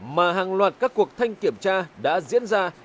mà hàng loạt các cuộc thanh kiểm tra đã diễn ra